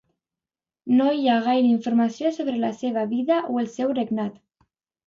No hi ha gaire informació sobre la seva vida o el seu regnat.